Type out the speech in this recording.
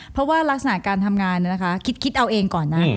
เพราะว่ารักษณะการทำงานนะคะคิดเอาเองก่อนนะ